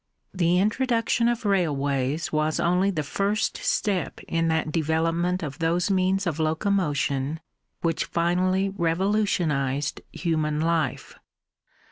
The introduction of railways was only the first step in that development of those means of locomotion which finally revolutionised human life.